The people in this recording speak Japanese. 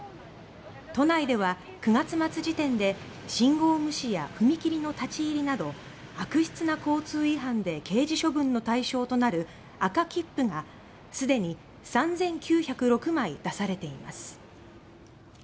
都内では９月末時点で信号無視や踏切の立ち入りなど悪質な交通違反で刑事処分の対象となる「赤切符」が既に３９０６枚出されています。